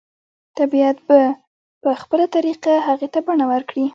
طبیعت به په خپله طریقه هغې ته بڼه ورکړي